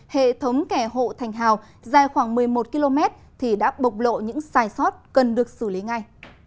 hệ thống kẻ hộ thành hào dài khoảng một mươi một km thì đã bộc lộ những sai sót cần được xử lý ngay